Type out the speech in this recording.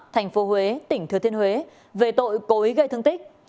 thành phố huế tỉnh thừa thiên huế về tội cố ý gây thương tích